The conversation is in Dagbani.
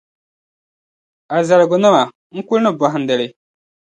a zaligunima; n kuli ni bɔhindi li.